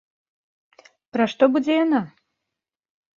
Пра што будзе яна?